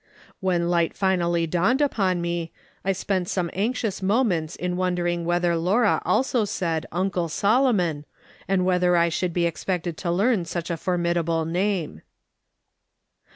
When light finally dawned upon me, I spent some anxious moments in wondering whether Laura also said ' L^ncle Solomon' and whether I should be expected to learn such a formidable name."